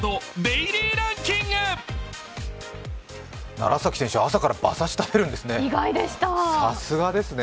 楢崎選手、朝から馬刺し食べるんですね。